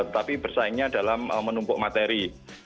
tapi bersaingnya dalam menumpuk materi